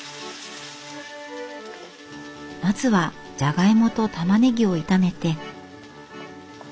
まずはじゃがいもとたまねぎを炒めて。